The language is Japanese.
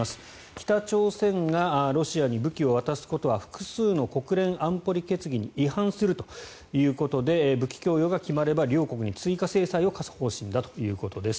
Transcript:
北朝鮮がロシアに武器を渡すことは複数の国連安保理決議に違反するということで武器供与が決まれば、両国に追加制裁を科す方針だということです。